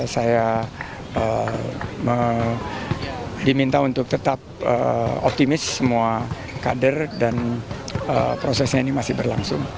saya diminta untuk tetap optimis semua kader dan prosesnya ini masih berlangsung